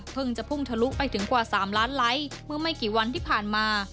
จะพุ่งทะลุไปถึงกว่า๓ล้านไลค์เมื่อไม่กี่วันที่ผ่านมา